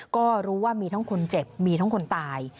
ก็รู้ว่ามีทั้งคนเจ็บมีทั้งคนตาย